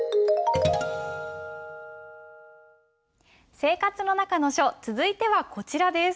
「生活の中の書」続いてはこちらです。